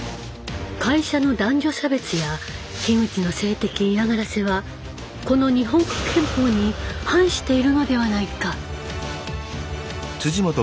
会社の男女差別や樋口の性的嫌がらせはこの日本国憲法に反しているのではないか！